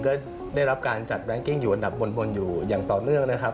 ก็ได้รับการจัดแบงกิ้งอยู่อันดับบนอยู่อย่างต่อเนื่องนะครับ